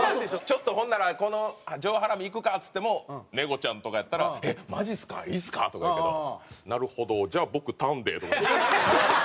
「ちょっとほんならこの上ハラミいくか」っつってもネゴちゃんとかやったら「えっマジっすか？」「いいっすか？」とか言うけど「なるほど。じゃあ僕タンで」。